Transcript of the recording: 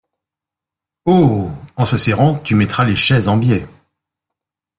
Oh ! en se serrant… tu mettras les chaises en biais !